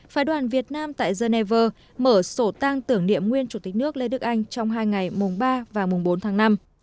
phái đoàn việt nam tại geneva mở sổ tăng tưởng niệm nguyên chủ tịch nước lê đức anh trong hai ngày mùng ba và mùng bốn tháng năm